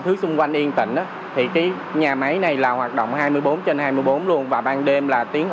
thứ xung quanh yên tĩnh á thì cái nhà máy này là hoạt động hai mươi bốn trên hai mươi bốn luôn và ban đêm là tiếng